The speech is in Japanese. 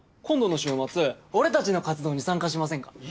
今度の週末俺たちの活動に参加しませんか？